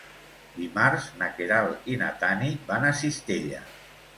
Dimarts na Queralt i na Tanit van a Cistella.